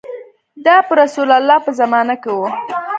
دا په رسول الله په زمانه کې و.